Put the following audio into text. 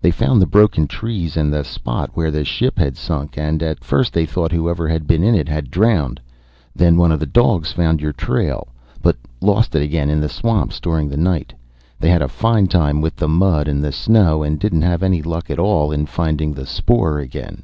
They found the broken trees and the spot where the ship had sunk, and at first thought whoever had been in it had drowned. Then one of the dogs found your trail, but lost it again in the swamps during the night. They had a fine time with the mud and the snow and didn't have any luck at all in finding the spoor again.